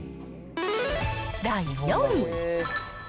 第４位。